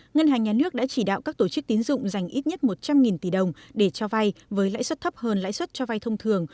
ngân hàng nhà nước đã chỉ đạo các tổ chức tín dụng dành ít nhất một trăm linh tỷ đồng để cho vay với lãi suất thấp hơn lãi suất cho vay thông thường